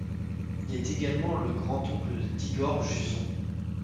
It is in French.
Il est également le grand-oncle d'Igor Juzon.